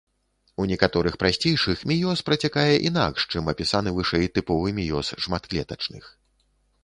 У некаторых прасцейшых меёз працякае інакш, чым апісаны вышэй тыповы меёз шматклетачных.